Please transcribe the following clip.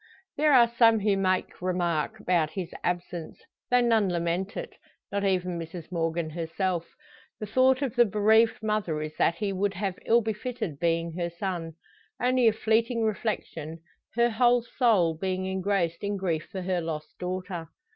There are some who make remark about his absence, though none lament it not even Mrs Morgan herself. The thought of the bereaved mother is that he would have ill befitted being her son. Only a fleeting reflection, her whole soul being engrossed in grief for her lost daughter.